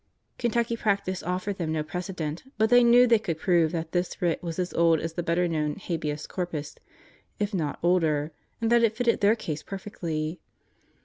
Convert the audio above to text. Kentucky practice offered them no precedent, but they knew they could prove that this writ was as old as the better known habeas corpus if not older and that it fitted their case perfectly.